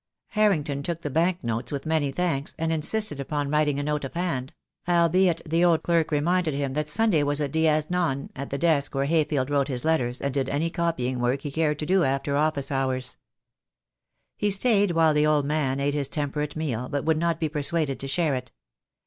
Harrington took the bank notes with many thanks, 326 THE DAY WILL COME. and insisted upon writing a note of hand — albeit the old clerk reminded him that Sunday was a dies non — at the desk where Hayfield wrote his letters and did any copying work he cared to do after office hours. He stayed while the old man ate his temperate meal, but would not be persuaded to share it.